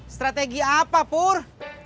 strategi apa pur